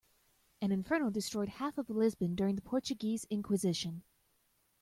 An inferno destroyed half of Lisbon during the Portuguese inquisition.